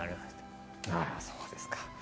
そうですか。